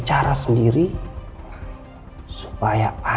cari lu sendiri sedikit